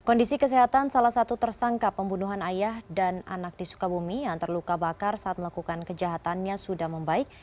kondisi kesehatan salah satu tersangka pembunuhan ayah dan anak di sukabumi yang terluka bakar saat melakukan kejahatannya sudah membaik